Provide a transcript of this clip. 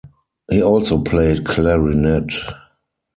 He also played clarinet.